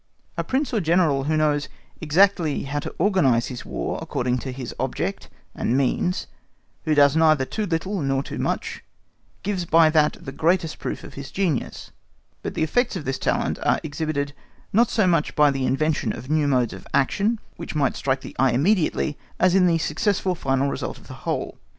A Prince or General who knows exactly how to organise his War according to his object and means, who does neither too little nor too much, gives by that the greatest proof of his genius. But the effects of this talent are exhibited not so much by the invention of new modes of action, which might strike the eye immediately, as in the successful final result of the whole.